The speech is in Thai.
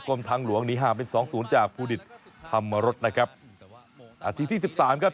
ทางหลวงหนีห่างเป็นสองศูนย์จากภูดิตธรรมรสนะครับนาทีที่สิบสามครับ